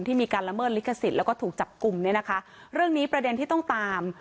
มีการละเมิดลิขสิทธิ์แล้วก็ถูกจับกลุ่มเนี่ยนะคะเรื่องนี้ประเด็นที่ต้องตาม